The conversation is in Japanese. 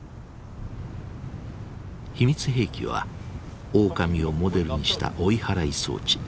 秘密兵器はオオカミをモデルにした追い払い装置。